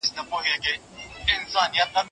آيا اقتصادي پرمختيا کيفي شاخصونه هم رانغاړي؟